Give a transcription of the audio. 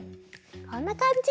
こんなかんじ。